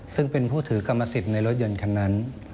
ซึ่งเป็นผู้ถือกรรมสิทธิ์ในรถยนต์คันนั้น